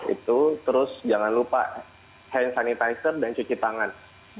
itu terus jangan lupa hand sanitizer dan cuci tangan